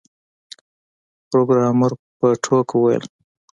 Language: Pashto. پروګرامر په ټوکه وویل